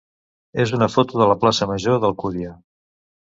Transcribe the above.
és una foto de la plaça major d'Alcúdia.